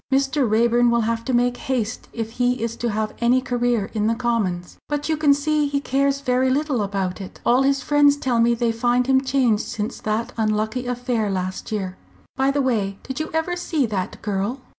Mr. Raeburn will have to make haste if he is to have any career in the Commons. But you can see he cares very little about it. All his friends tell me they find him changed since that unlucky affair last year. By the way, did you ever see that girl?"